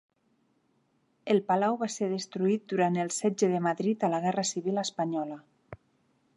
El palau va ser destruït durant el setge de Madrid a la Guerra Civil espanyola.